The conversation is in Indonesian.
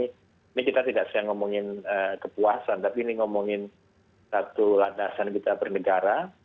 ini kita tidak saya ngomongin kepuasan tapi ini ngomongin satu landasan kita bernegara